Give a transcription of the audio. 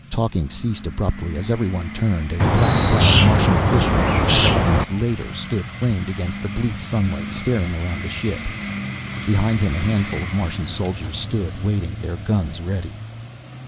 Talking ceased abruptly, as everyone turned. A black clad Martian official, a Province Leiter, stood framed against the bleak sunlight, staring around the ship. Behind him a handful of Martian soldiers stood waiting, their guns ready.